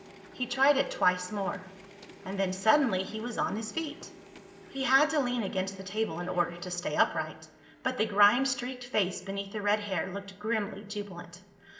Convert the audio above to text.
He tried it twice more. And then suddenly he was on his feet. He had to lean against the table in order to stay upright, but the grime streaked face beneath the red hair looked grimly jubilant.